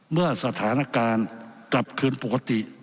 เมื่อสถานการณ์กลับคืนปกติ